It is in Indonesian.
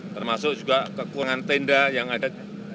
termasuk juga kekurangan tenda yang ada